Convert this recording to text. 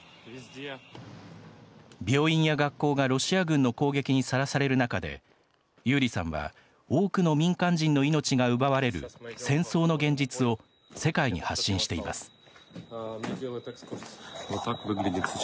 病院や学校がロシア軍の攻撃にさらされる中でユーリさんは多くの民間人の命が奪われる戦争の現実を世界に発信しています。